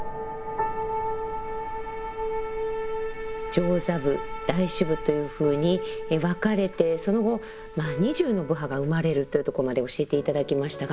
上座部大衆部というふうに分かれてその後２０の部派が生まれるというとこまで教えて頂きましたが。